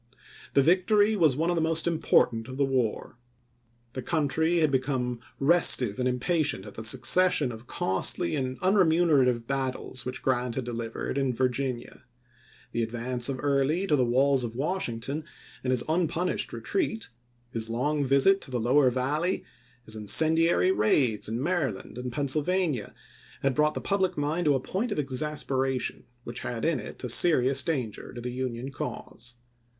The victory was one of the most important of the war. The country had become restive and impatient at the succession of costly and unremunerative battles which Grant had delivered in Virginia. The ad vance of Early to the walls of Washington and his unpunished retreat, his long visit to the lower Val ley, his incendiary raids in Maryland and Penn sylvania, had brought the public mind to a point of exasperation which had in it a serious danger to the Union cause.